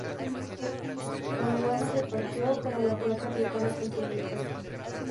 Gondwana se partió, pero la placa africana continuó intacta.